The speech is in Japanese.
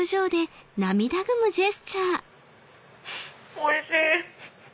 おいしい。